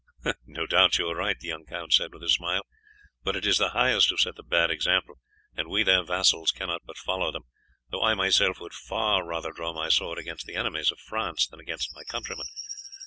"No doubt you are right," the young count said with a smile; "but it is the highest who set the bad example, and we their vassals cannot but follow them, though I myself would far rather draw my sword against the enemies of France than against my countrymen.